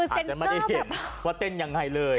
อาจจะไม่ได้เห็นว่าเต้นยังไงเลย